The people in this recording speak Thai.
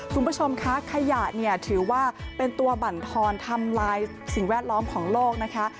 คุณผู้ชมคะขยะเนี่ยถือว่าเป็นตัวบรรทอนทำลายสิ่งแวดล้อมของโลกนะคะ